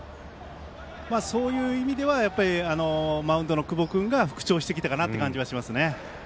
そういう意味ではマウンドの久保君が復調してきたかなという感じがしますね。